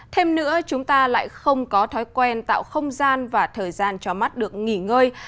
thêm nữa chúng ta lại không có thói quen tạo không gian và thời gian cho mắt được nghỉ ngơi